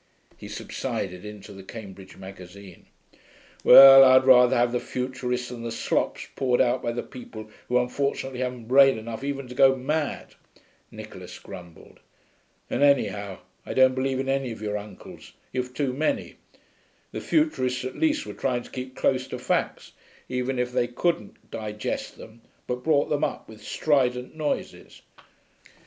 He subsided into the Cambridge Magazine. 'Well, I'd rather have the futurists than the slops poured out by the people who unfortunately haven't brain enough even to go mad,' Nicholas grumbled. ('And anyhow, I don't believe in any of your uncles you've too many.) The futurists at least were trying to keep close to facts, even if they couldn't digest them but brought them up with strident noises.